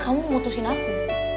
kamu ngutusin aku